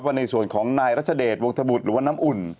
ในส่วนของนายรัชเดชวงธบุตรหรือว่าน้ำอุ่น